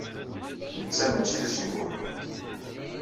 Netta mačči d acengu-nkent.